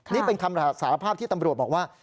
นี่เป็นคำสารภาพที่ตำรวจบอกว่า